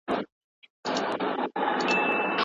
اسلام د فلاح او بري لاره ده.